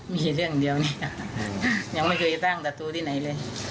มีเรื่องเดียวเนี่ยยังไม่เคยตั้งศัตรูที่ไหนเลย